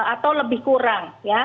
atau lebih kurang